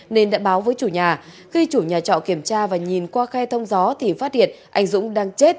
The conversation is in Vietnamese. nên đã báo với chủ nhà khi chủ nhà trọ kiểm tra và nhìn qua khe thông gió thì phát hiện anh dũng đang chết